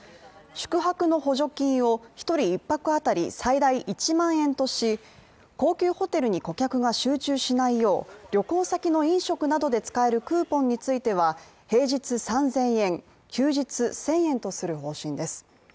宿泊の補助金を１人１泊当たり最大１万円とし、高級ホテルに顧客が集中しないよう、旅行先の飲食などで使えるクーポンについては、平日３０００円、休日１０００円とする方針です。